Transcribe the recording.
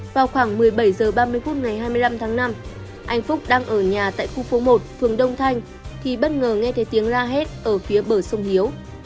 vào khoảng một mươi bảy h ba mươi phút ngày hai mươi năm tháng năm anh phúc đang ở nhà tại khu phố một phường đông thanh thì bất ngờ nghe thấy tiếng ra hết ở phía bờ sông hiếu